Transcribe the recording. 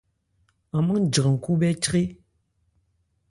An mâ jran khúbhɛ́ chré.